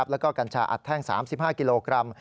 แล้วก็กัญชาอัดแท่ง๓๕กิโลกรัม